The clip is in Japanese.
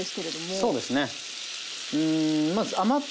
そうですね。